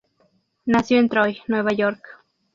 Nació en Troy, Nueva York.